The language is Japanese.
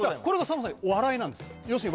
これがさんまさん笑いなんですよ